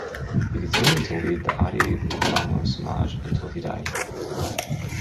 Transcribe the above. He continued to lead the Adi Brahmo Samaj until he died.